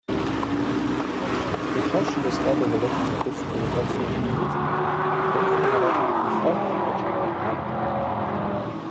Увійшовши до складу Великого Русько-Литовського князівства, український народ дістав перепочинок